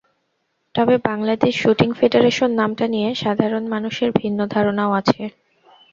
তবে Bangladesh shooting federation নামটা নিয়ে সাধারণ মানুষের ভিন্ন ধারণাও আছে।